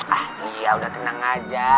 ah iya udah tenang aja